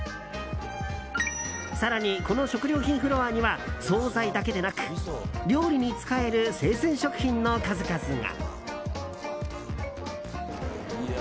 更に、この食料品フロアには総菜だけでなく料理に使える生鮮食品の数々が。